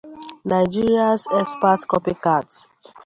Nigeria's expert copy-cats